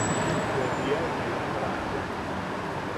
Pue jia ume Loma Bajkom.